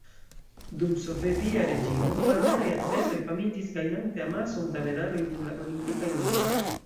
Dum sovetia reĝimo, armenaj atletoj famiĝis gajnante amason da medaloj dum la Olimpikaj Ludoj.